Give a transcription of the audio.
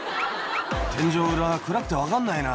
「天井が暗くて分かんないな」